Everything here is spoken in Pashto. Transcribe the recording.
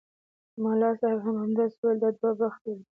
ملا صاحب هم همداسې ویل دا دوه بخته دي.